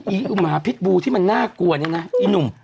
อีอุหมาพิษบูที่มันน่ากลัวนี่นะอีหนุ่ม